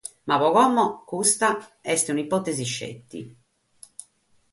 Ma pro como custa est petzi un'ipòtesi.